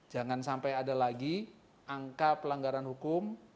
jangan sampai ada lagi angka pelanggaran hukum